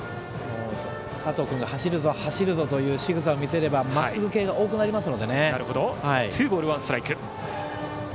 佐藤君が走るぞという仕草を見せればまっすぐ系が多くなりますので。